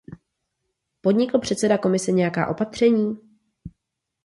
Podnikl předseda Komise nějaká opatření?